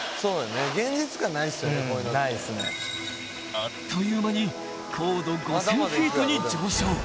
［あっという間に高度５，０００フィートに上昇］